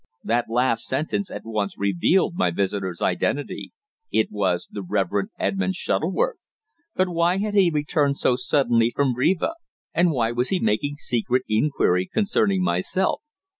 That last sentence at once revealed my visitor's identity. It was the Reverend Edmund Shuttleworth! But why had he returned so suddenly from Riva? And why was he making secret inquiry concerning myself?